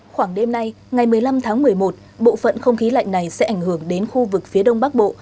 khoảng đêm nay ngày một mươi năm tháng một mươi một bộ phận không khí lạnh này sẽ ảnh hưởng đến khu vực phía đông bắc bộ